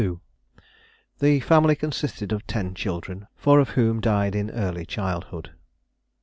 The family consisted of ten children, four of whom died in early childhood.